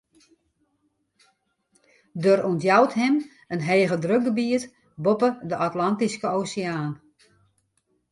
Der ûntjout him in hegedrukgebiet boppe de Atlantyske Oseaan.